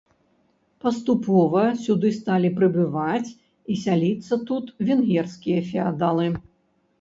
Паступова сюды сталі прыбываць і сяліцца тут венгерскія феадалы.